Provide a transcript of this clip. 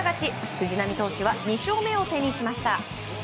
藤浪投手は２勝目を手にしました。